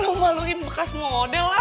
malu maluin bekas model lah